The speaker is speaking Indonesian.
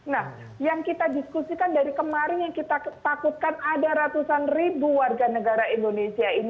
nah yang kita diskusikan dari kemarin yang kita takutkan ada ratusan ribu warga negara indonesia